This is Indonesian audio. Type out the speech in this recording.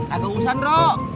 gak kegugusan bro